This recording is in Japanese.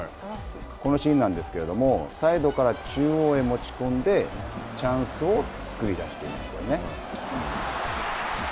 このシーンなんですけれどもサイドから中央へ持ち込んでチャンスを作り出していますよね。